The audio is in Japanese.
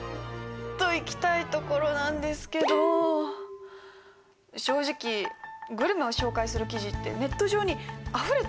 といきたいところなんですけど正直グルメを紹介する記事ってネット上にあふれてるじゃないですか。